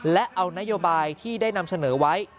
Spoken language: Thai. และเอานโยบายที่ได้นำเสนอไว้